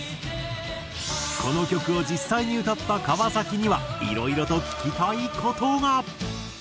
この曲を実際に歌った川崎には色々と聞きたい事が。